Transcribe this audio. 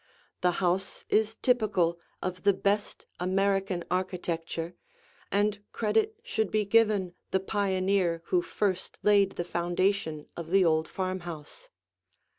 The house is typical of the best American architecture, and credit should be given the pioneer who first laid the foundation of the old farmhouse.